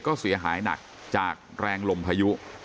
ก็เสียหายหนักจากแรงลมพายุ